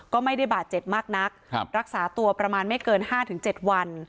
ก็ไม่ได้บาดเจ็บมากนักครับรักษาตัวประมาณไม่เกินห้าถึงเจ็ดวัน